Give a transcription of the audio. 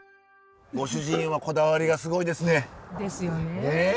ご主人はこだわりがすごいですね。ですよね。